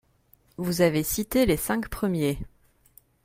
Vous avez cité les cinq premiers